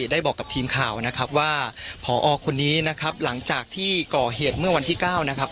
ได้บอกกับทีมข่าวนะครับว่าพอคนนี้นะครับหลังจากที่ก่อเหตุเมื่อวันที่๙นะครับ